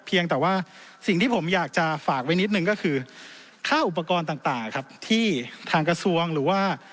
เพียงแต่ว่าสิ่งที่ผมอยากจะฝากไว้นิดนึงก็คือค่าอุปกรณ์ต่างครับที่ทางกระทรวงหรือว่า